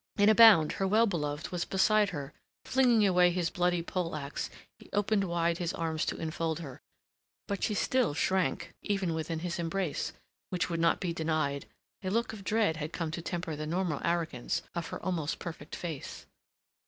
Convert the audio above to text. In a bound her well beloved was beside her, flinging away his bloody poleaxe, he opened wide his arms to enfold her. But she still shrank even within his embrace, which would not be denied; a look of dread had come to temper the normal arrogance of her almost perfect face.